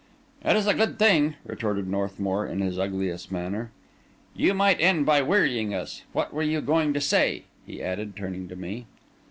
"It is a good thing," retorted Northmour in his ugliest manner. "You might end by wearying us. What were you going to say?" he added, turning to me.